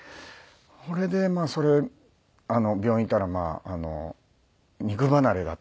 それでそれ病院行ったら肉離れだったので。